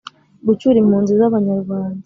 Gucyura impunzi z abanyarwanda